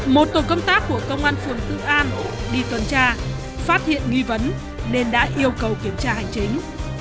một tổ công tác của công an phường tự an đi tuần tra phát hiện nghi vấn nên đã yêu cầu kiểm tra hành chính